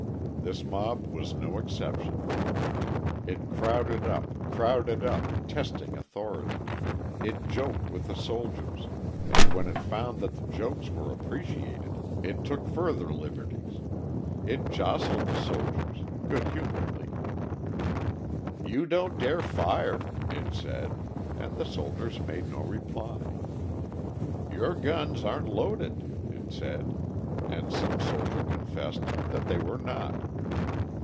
This mob was no exception. It crowded up, crowded up, testing authority. It joked with the soldiers, and when it found that the jokes were appreciated, it took further liberties; it jostled the soldiers good humouredly. "You don't dare fire," it said, and the soldiers made no reply. "Your guns aren't loaded," it said, and some soldier confessed that they were not.